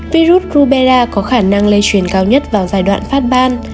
virus rubella có khả năng lây truyền cao nhất vào giai đoạn phát ban